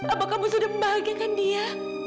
apa kamu sudah membahagiakan dia